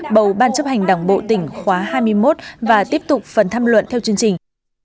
bầu ban chấp hành đảng bộ tỉnh khóa hai mươi một và tiếp tục phần tham luận theo chương trình